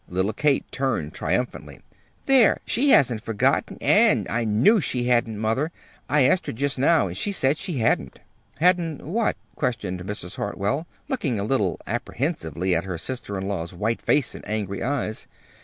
Little Kate turned triumphantly. "There, she hasn't forgotten, and I knew she hadn't, mother! I asked her just now, and she said she hadn't." "Hadn't what?" questioned Mrs. Hartwell, looking a little apprehensively at her sister in law's white face and angry eyes.